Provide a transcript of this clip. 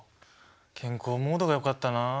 健康モードがよかったなあ。